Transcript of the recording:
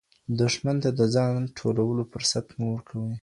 دښمن ته د ځان ټولولو فرصت مه ورکوئ.